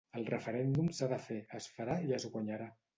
El referèndum s’ha de fer, es farà i es guanyarà.